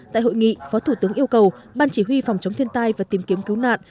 tại hội nghị phó thủ tướng yêu cầu ban chỉ huy phòng chống thiên tai và tìm kiếm cứu nạn